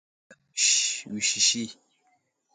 Ghinaŋ aslane aləbay aka wusisi.